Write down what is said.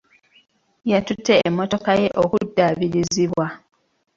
Yatutte emmotoka ye okuddaabirizibwa.